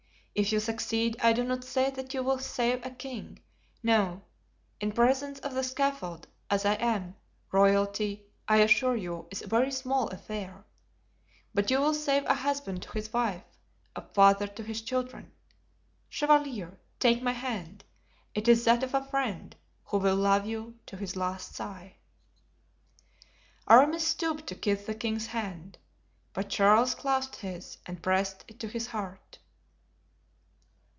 If you succeed I do not say that you will save a king; no, in presence of the scaffold as I am, royalty, I assure you, is a very small affair; but you will save a husband to his wife, a father to his children. Chevalier, take my hand; it is that of a friend who will love you to his last sigh." Aramis stooped to kiss the king's hand, but Charles clasped his and pressed it to his heart.